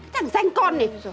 thằng danh con này